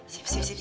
siap siap siap